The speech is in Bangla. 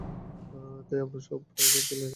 তাই আমার প্রায় সব খেলাই ভালো লাগে।